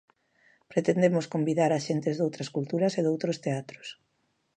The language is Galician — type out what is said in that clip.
Pretendemos convidar a xentes doutras culturas e doutros teatros.